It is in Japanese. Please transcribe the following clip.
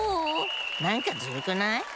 なんかズルくない？